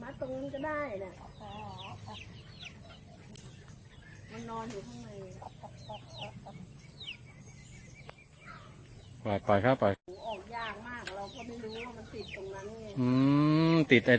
มันติดตรงนั้นเนี้ยอืมติดในตรงขาขาที่โผล่มาแล้ว